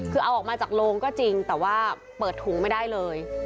คือเอาออกมาจากโรงก็จริงแต่ว่าเปิดถุงไม่ได้เลย